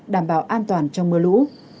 đảm bảo an toàn trong mưa lũ